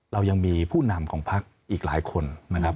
เรายังมีผู้นำของพักอีกหลายคนนะครับ